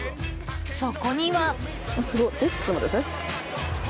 そこには。